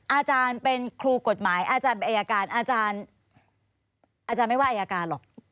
อาจารย์เป็นครูกฎหมายอาจารย์อายการอาจารย์ไม่ว่าอายการหรอก